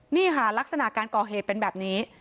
นี่ค่ะลักษณะการก่อเหตุเป็นแบบนี้